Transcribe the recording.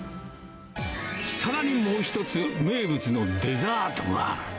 さらにもう一つ、名物のデザートが。